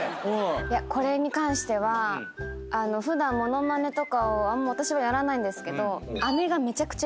これに関しては普段物まねとかをあんま私はやらないんですけど。